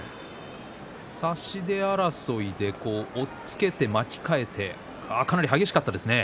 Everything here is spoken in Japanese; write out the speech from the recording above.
差し手争いで押っつけて、巻き替えてかなり激しかったですね。